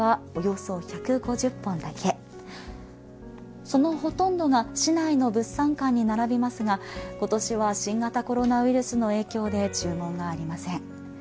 そのほとんどが市内の物産館に並びますが今年は新型コロナウイルスの影響で注文がありません。